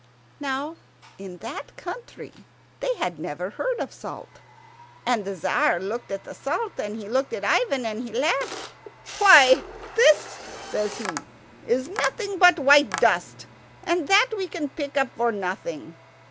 Now in that country they had never heard of salt, and the Tzar looked at the salt, and he looked at Ivan and he laughed. "Why, this," says he, "is nothing but white dust, and that we can pick up for nothing.